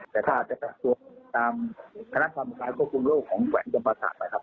แต่ถ้าจะเกิดตัวตามคณะความรักษาควบคุมโลกของแหวนจอมประจำนะครับ